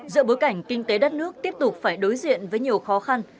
giữa bối cảnh kinh tế đất nước tiếp tục phải đối diện với nhiều khó khăn